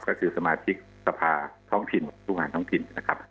ก็คือสมาชิกสภาท้องถิ่นผู้งานท้องถิ่นนะครับ